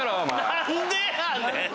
何でやねん！